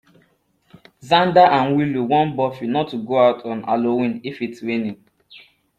Xander and Willow warn Buffy not to go out on Halloween if it's raining.